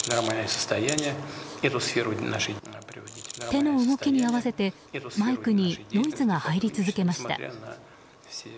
手の動きに合わせてマイクにノイズが入り続けました。